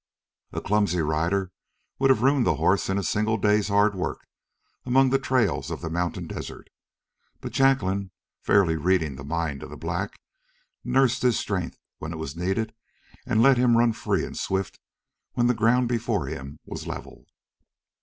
A clumsy rider would have ruined the horse in a single day's hard work among the trails of the mountain desert, but Jacqueline, fairly reading the mind of the black, nursed his strength when it was needed and let him run free and swift when the ground before him was level.